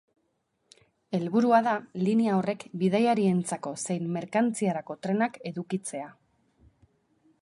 Helburua da linea horrek bidaiarientzako zein merkantziarako trenak edukitzea.